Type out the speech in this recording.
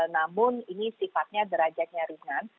namun ini sifatnya derajatnya ringan